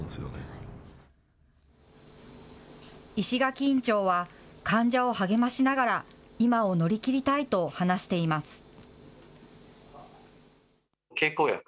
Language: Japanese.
石垣院長は、患者を励ましながら、今を乗り切りたいと話しています。